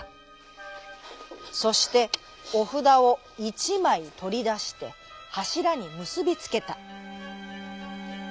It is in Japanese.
そしておふだをいちまいとりだしてはしらにむすびつけた。